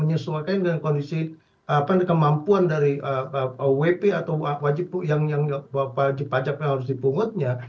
menyesuaikan dengan kondisi kemampuan dari wp atau wajib yang wajib pajak yang harus dipungutnya